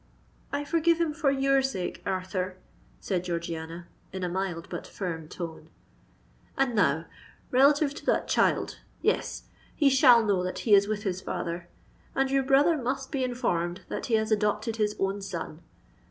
"I forgive him for your sake, Arthur," said Georgiana, in a mild but firm tone. "And now, relative to that child—yes—he shall know that he is with his father; and your brother must be informed that he has adopted his own son!